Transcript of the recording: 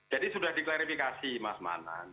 sudah diklarifikasi mas manan